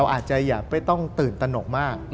อาจจะอย่าไม่ต้องตื่นตนกมาก